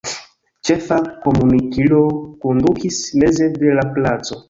Ĉefa komunikilo kondukis meze de la placo.